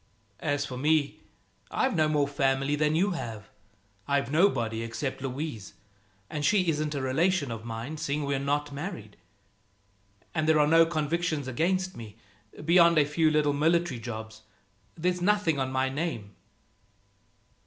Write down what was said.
"As for me, I've no more family than you have. I've nobody, except Louise and she isn't a relation of mine, seeing we're not married. And there are no convictions against me, beyond a few little military jobs. There's nothing on my name."